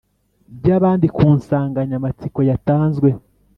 by’abandi ku nsanganyamatsiko yatanzwe